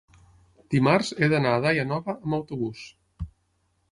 Dimarts he d'anar a Daia Nova amb autobús.